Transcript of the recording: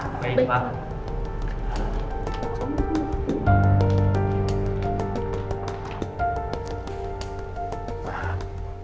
selamat siang mbak